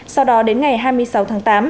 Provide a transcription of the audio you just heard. sau đó đến ngày hai mươi sáu tháng tám